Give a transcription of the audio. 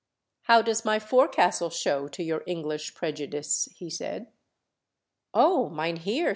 " How does my forecastle show to your English prejudice ?" he said. *'Oh, mynheer!"